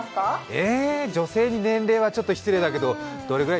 えー、女性に年齢はちょっと失礼だけど、どれぐらい？